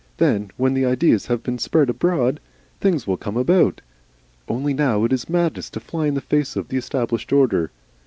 Then when the Ideas have been spread abroad Things will come about. Only now it is madness to fly in the face of the established order.